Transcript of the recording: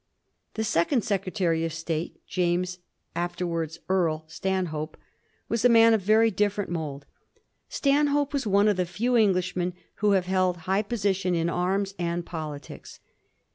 The Second Secretary of State, James, afterwards Earl, Stanhope, was a man of very different mould. Stanhope was one of the few Englishmen who have held high position in arms and politics.